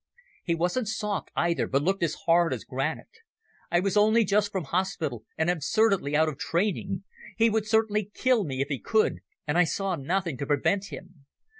He wasn't soft either, but looked as hard as granite. I was only just from hospital and absurdly out of training. He would certainly kill me if he could, and I saw nothing to prevent him.